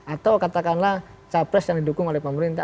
atau katakanlah capres yang didukung oleh pemerintah